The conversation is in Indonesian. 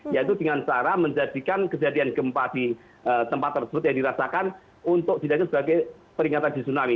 yaitu dengan cara menjadikan kejadian gempa di tempat tersebut yang dirasakan untuk dijadikan sebagai peringatan di tsunami